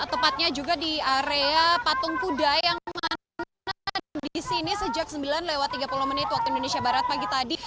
tepatnya juga di area patung kuda yang mana di sini sejak sembilan tiga puluh menit waktu indonesia barat pagi tadi